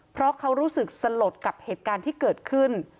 เพราะเขารู้สึกสลดกับเหตุการณ์ที่เกิดขึ้น